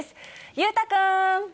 裕太君。